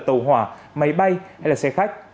tàu hỏa máy bay hay là xe khách